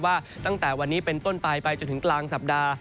ว่าตั้งแต่วันนี้เป็นต้นไปไปจนถึงกลางสัปดาห์